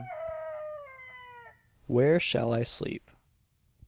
"WHERE SHALL I SLEEP?"